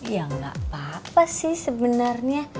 ya nggak apa apa sih sebenarnya